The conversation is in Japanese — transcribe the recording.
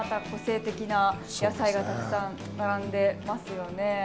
個性的な野菜がたくさん並んでますよね。